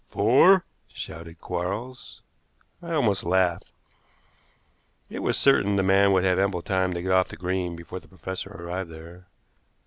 "Fore!" shouted Quarles. I almost laughed. It was certain the man would have ample time to get off the green before the professor arrived there.